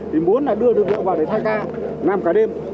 thì muốn là đưa đường đường vào để thay ca nằm cả đêm